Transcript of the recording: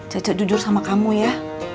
ce ce jujur sama kamu ya